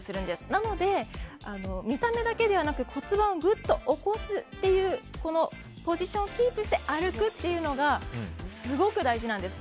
なので見た目だけでなく骨盤をぐっと起こすというポジションをキープして歩くっていうのがすごく大事なんです。